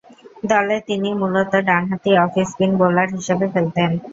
দলে তিনি মূলতঃ ডানহাতি অফ স্পিন বোলার হিসেবে খেলতেন।